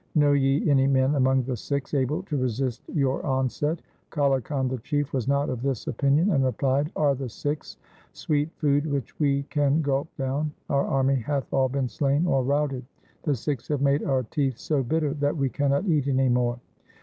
Know ye any men among the Sikhs able to resist vour onset ?' Kale Khan, the Chief, was not of this opinion, and replied, ' Are the Sikhs sweet food which we can gulp down ? Our army hath all been slain or routed. The Sikhs have made our teeth so bitter 1 that we cannot eat any more.